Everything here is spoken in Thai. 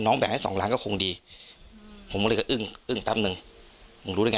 น้องแบ่งให้๒ล้านก็คงดีผมก็เลยอึ้งตั้งนึง